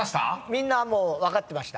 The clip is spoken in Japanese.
みんな分かってました。